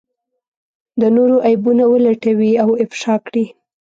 د نورو عيبونه ولټوي او افشا کړي.